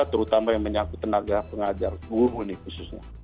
terutama yang menyangkut tenaga pengajar guru ini khususnya